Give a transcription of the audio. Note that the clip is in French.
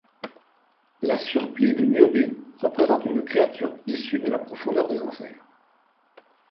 La Surplis de Niobe représente une créature issue de la profondeur des Enfers.